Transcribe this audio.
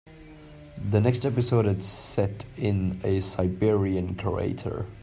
The next episode is set in a Siberian crater.